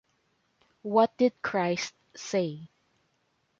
What did Christ say?